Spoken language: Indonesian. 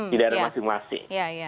di daerah masing masing